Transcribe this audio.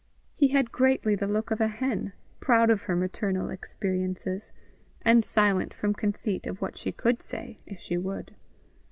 He had greatly the look of a hen, proud of her maternal experiences, and silent from conceit of what she could say if she would.